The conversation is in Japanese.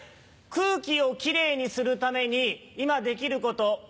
空気をキレイにするために今できること。